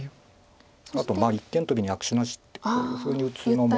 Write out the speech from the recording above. あと一間トビに悪手なしってこういうふうに打つのも。